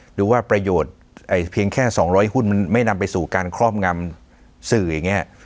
หรือว่าประโยชน์เพียงแค่๒๐๐หุ้นมันไม่นำไปสู่การครอบงำสื่ออย่างนี้